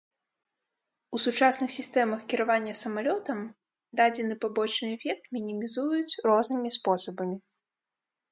У сучасных сістэмах кіравання самалётам дадзены пабочны эфект мінімізуюць рознымі спосабамі.